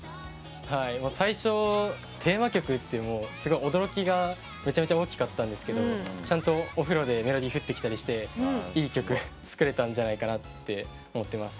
最初、テーマ曲ってすごい驚きがめちゃくちゃ大きかったんですけどちゃんとお風呂でメロディー降ってきたりしていい曲作れたんじゃないかなって思っています。